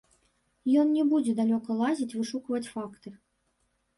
Ён не будзе далёка лазіць, вышукваць факты.